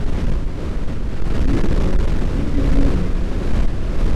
Mi ğurun, miti ğuruni?